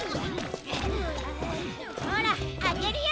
ほらあけるよ！